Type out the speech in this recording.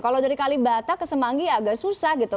kalau dari kalibata ke semanggi agak susah gitu